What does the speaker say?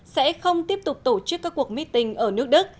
sẽ không tiếp tục tổ chức các cuộc meeting ở nước đức